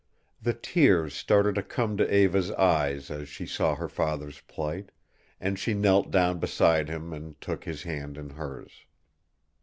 The tears started to come to Eva's eyes as she saw her father's plight, and she knelt down beside him and took his hand in hers.